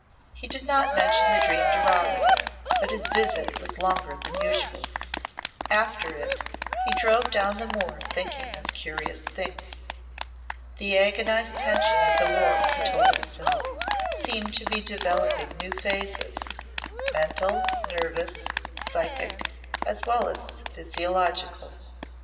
He did not mention the dream to Robin, but his visit was longer than usual. After it he drove down the moor thinking of curious things. The agonised tension of the war, he told himself, seemed to be developing new phases mental, nervous, psychic, as well as physiological.